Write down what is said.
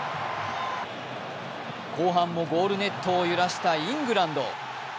後半もゴールネットを揺らしたイングランド。